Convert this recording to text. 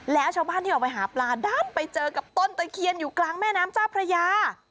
แล้วชาวบ้านที่ออกไปหาปลาด้านไปเจอกับต้นตะเคียนอยู่กลางแม่น้ำเจ้าพระยา